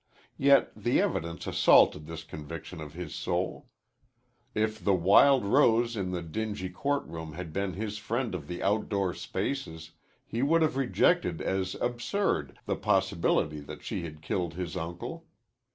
Yet the evidence assaulted this conviction of his soul. If the Wild Rose in the dingy court room had been his friend of the outdoor spaces, he would have rejected as absurd the possibility that she had killed his uncle.